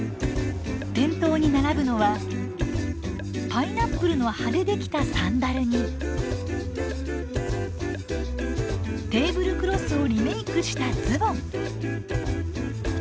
店頭に並ぶのはパイナップルの葉でできたサンダルにテーブルクロスをリメークしたズボン。